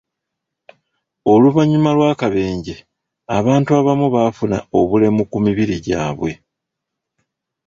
Oluvannyuma lw'akabenje, abantu abamu baafuna obulemu ku mibiri gyabwe.